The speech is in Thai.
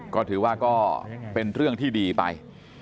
ก็ถือว่าก็เป็นเรื่องที่ดีไป